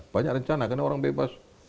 banyak rencana karena orang bebas